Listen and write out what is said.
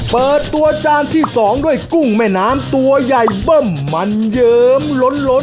เปิดตัวจานที่๒ด้วยกุ้งแม่น้ำตัวใหญ่เบิ้มมันเยิ้มล้น